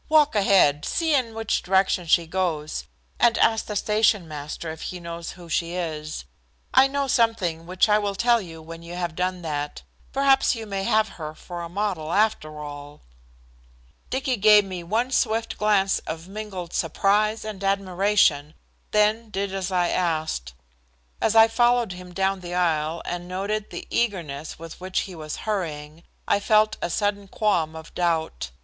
"Walk ahead, see in which direction she goes, and ask the station master if he knows who she is. I know something which I will tell you when you have done that. Perhaps you may have her for a model, after all." Dicky gave me one swift glance of mingled surprise and admiration, then did as I asked. As I followed him down the aisle and noted the eagerness with which he was hurrying, I felt a sudden qualm of doubt.